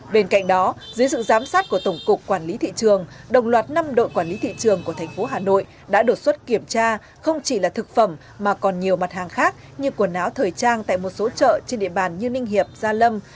bên cạnh đó dưới sự giám sát của tổng cục quản lý thị trường đồng loạt năm đội quản lý thị trường của thành phố hà nội đã đột xuất kiểm tra không chỉ là thực phẩm mà còn nhiều mặt hàng khác như quần áo thời trang tại một số chợ trên địa bàn như ninh hiệp gia lâm